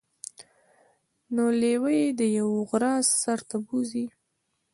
نو لیوه يې د یوه غره سر ته بوځي.